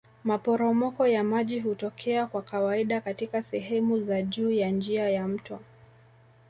Maporomoko ya maji hutokea kwa kawaida katika sehemu za juu ya njia ya mto